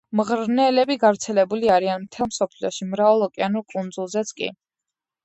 მღრღნელები გავრცელებული არიან მთელ მსოფლიოში, მრავალ ოკეანურ კუნძულზეც კი.